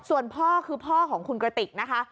ส่วนพ่อคือพ่อของคุณกระติกนะคะ